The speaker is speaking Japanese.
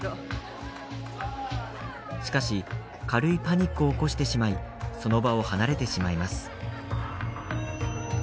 しかし軽いパニックを起こしてしまいその場を離れてしまいます。